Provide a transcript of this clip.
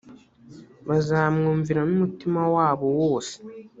bazamwumvira n umutima wabo wose